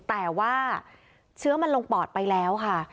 แต่ว่าเชื้อมันลงปอดไปแล้วค่ะ